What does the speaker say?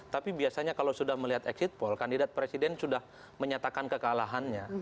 tapi biasanya kalau sudah melihat exit poll kandidat presiden sudah menyatakan kekalahannya